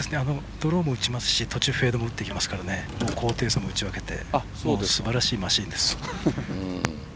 ドローも打ちますし途中、フェードも打ってきますし高低差も打ち分けてすばらしいマシーンです。